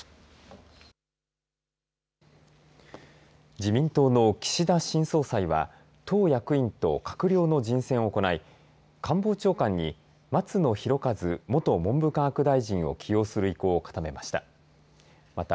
自民党の岸田新総裁は党役員と閣僚の人選を行い官房長官に松野博一元文部科学大臣を起用する意向を固めました。